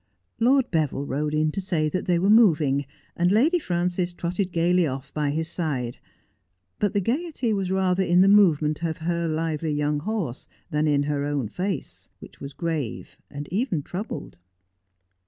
Lord Beville rode in to say that they were moving, and Lady Frances trotted gaily off by his side, but the gaiety was rather in the movement of her lively young horse than in her own face, which was grave and even troubled.